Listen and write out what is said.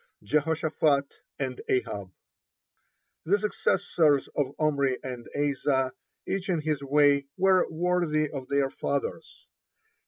(24) JEHOSHAPHAT AND AHAB The successors of Omri and Asa, each in his way, were worthy of their fathers.